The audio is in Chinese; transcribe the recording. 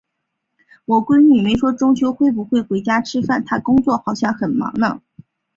我闺女没说中秋会不会回家吃饭，她工作好像很忙呢。